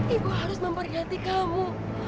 ibu harus memperhatiati kamu